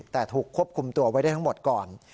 แต่ถูกควบคุมตัวไว้ได้ทั้งหมดก่อน